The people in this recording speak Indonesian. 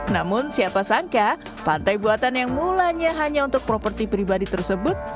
namun siapa sangka pantai buatan yang mulanya hanya untuk properti pribadi tersebut